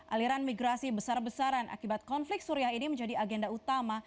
aliran migrasi besar besaran akibat konflik suriah ini menjadi agenda utama